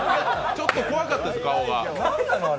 ちょっと怖かったです、顔が。